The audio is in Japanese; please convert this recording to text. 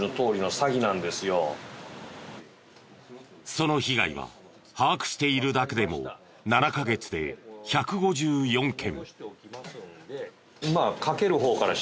その被害は把握しているだけでも７カ月で１５４件。